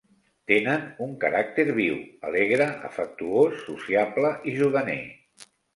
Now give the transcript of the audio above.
Tenen un caràcter viu, alegre, afectuós, sociable i juganer.